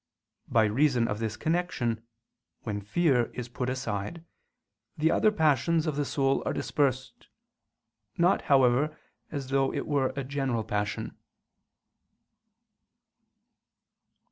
By reason of this connection, when fear is put aside, the other passions of the soul are dispersed; not, however, as though it were a general passion.